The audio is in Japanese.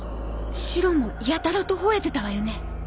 シロもやたらとほえてたわよね。